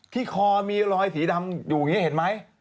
ที่คอมีรอยสีดำอยู่เห็นไหม